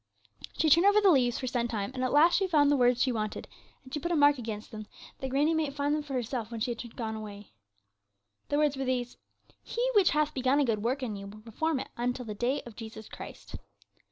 She turned over the leaves for some time, and at last she found the words she wanted, and she put a mark against them, that granny might find them for herself when she had gone away. The words were these, 'He which hath begun a good work in you will perform it until the day of Jesus Christ.'